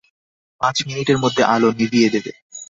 পাঁচ মিনিটের মধ্যে আলো নিভিয়ে দেবে।